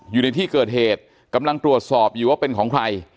อยู่ในที่เกิดเหตุกำลังตรวจสอบอยู่ว่าเป็นของใคร